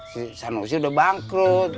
si sanusi udah bangkrut